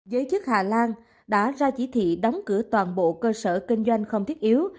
giới chức hà lan đã ra chỉ thị đóng cửa toàn bộ cơ sở kinh doanh không thiết yếu